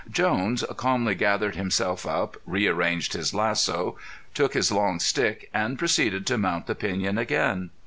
Jones calmly gathered himself up, rearranged his lasso, took his long stick, and proceeded to mount the piñon again.